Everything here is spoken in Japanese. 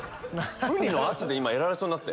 ウニの圧で今やられそうになって。